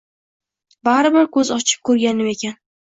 Baribir ko`z ochib ko`rganim ekan